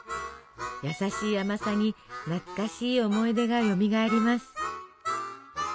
やさしい甘さに懐かしい思い出がよみがえります。